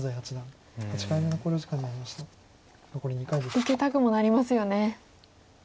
受けたくもなりますよね。